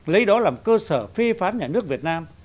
lấy đó làm cơ sở phê phán nhà nước việt nam